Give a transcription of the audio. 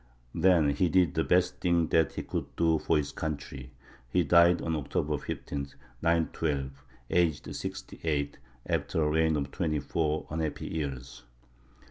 Then he did the best thing that he could do for his country: he died on October 15, 912, aged sixty eight, after a reign of twenty four unhappy years.